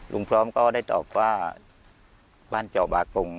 พร้อมก็ได้ตอบว่าบ้านเจาะบากง